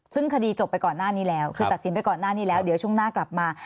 ซึ่งคดีจบไปก่อนหน้านี้แล้วคือตัดสินไปก่อนหน้านี้แล้วเดี๋ยวช่วงหน้ากลับมา